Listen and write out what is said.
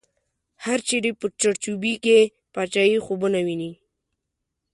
هر چړی په چړ چوبی کی، پاچایی خوبونه وینی